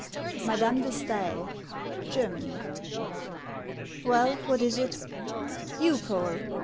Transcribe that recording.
— MADAME DE STAEL : Germany. WKLL, what is it ? You, Poel